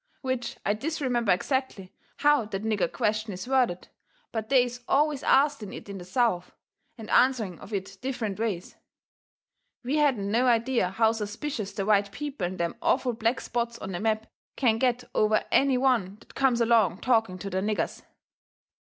Which I disremember exactly how that nigger question is worded, but they is always asting it in the South, and answering of it different ways. We hadn't no idea how suspicious the white people in them awful black spots on the map can get over any one that comes along talking to their niggers.